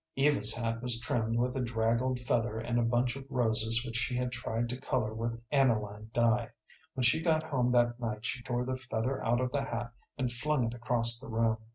Eva's hat was trimmed with a draggled feather and a bunch of roses which she had tried to color with aniline dye. When she got home that night she tore the feather out of the hat and flung it across the room.